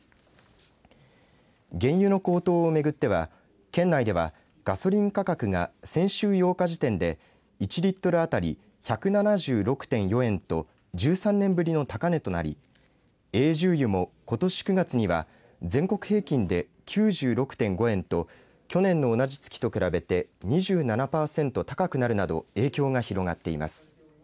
原油の高騰をめぐっては県内では、ガソリン価格が先週８日時点で１リットル当たり１７６．４円と１３年ぶりの高値となりＡ重油もことし９月には全国平均で９６．５円と去年の同じ月と比べて２７パーセント高くなるなど影響が広がっています。